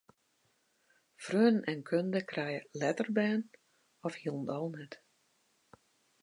Freonen en kunde krije letter bern of hielendal net.